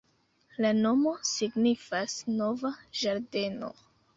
La nomo signifas nova ĝardeno.